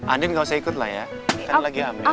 andin gak usah ikut lah ya kan lagi ambil